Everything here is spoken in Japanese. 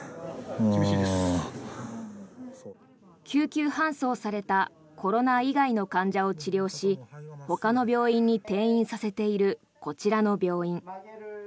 救急搬送されたコロナ以外の患者を治療しほかの病院に転院させているこちらの病院。